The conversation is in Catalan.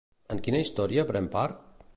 En quina història pren part?